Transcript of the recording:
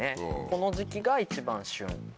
この時期が一番旬。